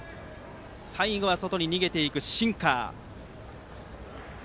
最後は外に逃げていくシンカー。